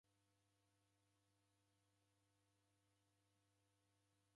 Olow'olwa kwa w'eni Wambengo.